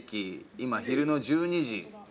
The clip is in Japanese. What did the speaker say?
今昼の１２時。